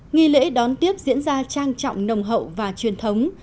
nghi lễ đón tiếp diễn ra trang trọng nồng hậu và truyền thống